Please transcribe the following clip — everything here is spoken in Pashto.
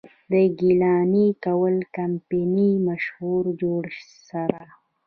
د ګيلاني کول کمپني مشهور جوړي سر،